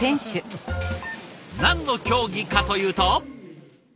何の競技かというと。